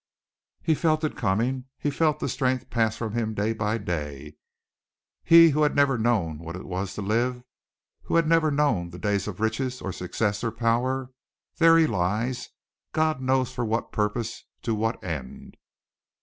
"He felt it coming, he felt the strength pass from him day by day, he, who had never known what it was to live, who had never known the days of riches or success or power. There he lies, God knows for what purpose, to what end!"